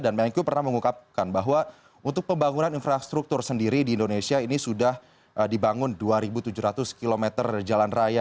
dan menkyu pernah mengungkapkan bahwa untuk pembangunan infrastruktur sendiri di indonesia ini sudah dibangun dua tujuh ratus km jalan raya